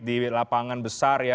di lapangan besar ya